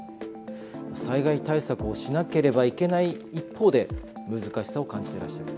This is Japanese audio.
災害対策をしなければいけない一方で難しさを感じてらっしゃる。